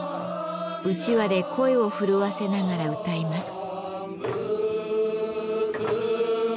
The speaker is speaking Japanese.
うちわで声を震わせながら歌います。